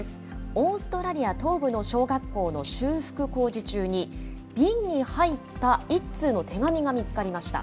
オーストラリア東部の小学校の修復工事中に、瓶に入った一通の手紙が見つかりました。